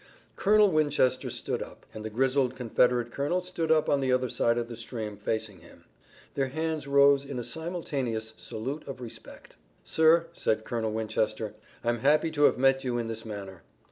Colonel Winchester stood up, and the grizzled Confederate colonel stood up on the other side of the stream, facing him. Their hands rose in a simultaneous salute of respect. "Sir," said Colonel Winchester, "I'm happy to have met you in this manner."